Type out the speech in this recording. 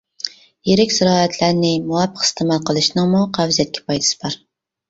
يىرىك زىرائەتلەرنى مۇۋاپىق ئىستېمال قىلىشنىڭمۇ قەۋزىيەتكە پايدىسى بار.